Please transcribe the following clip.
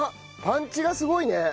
パンチがすごいね。